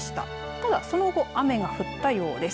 ただその後雨が降ったようです。